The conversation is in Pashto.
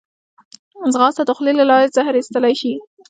ځغاسته د خولې له لارې زهر ایستلی شي